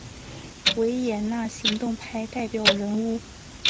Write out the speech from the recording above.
维也纳行动派代表人物。